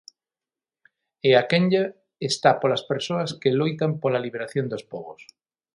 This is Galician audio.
E A Quenlla está polas persoas que loitan pola liberación dos pobos.